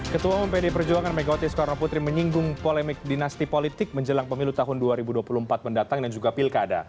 ketua umum pd perjuangan megawati soekarno putri menyinggung polemik dinasti politik menjelang pemilu tahun dua ribu dua puluh empat mendatang dan juga pilkada